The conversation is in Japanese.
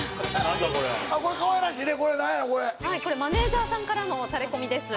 マネジャーさんからのタレコミです。